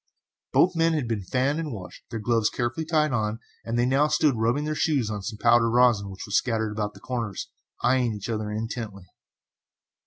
Both men had been fanned and washed, their gloves carefully tied on, and they now stood rubbing their shoes on some powdered rosin which was scattered about the corners, eyeing each other intently.